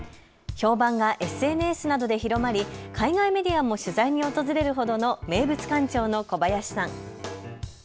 評判がＳＮＳなどで広まり海外メディアも取材に訪れるほどの名物館長の小林さん。